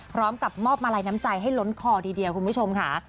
พร้อมกับมอบมาลัยน้ำใจให้ล้นคอทีเดียวคุณผู้ชมค่ะ